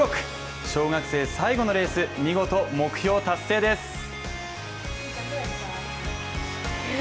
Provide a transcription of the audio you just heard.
小学生最後のレース、見事、目標達成です。